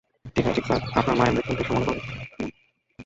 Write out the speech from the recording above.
ঠিক স্যার, আপনার মায়ের মৃত্যুর দৃশ্য মনে পরবে।